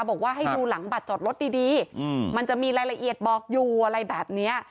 บอกว่าให้ดูหลังบัตรจอดรถดีมันจะมีรายละเอียดบอกอยู่อะไรแบบนี้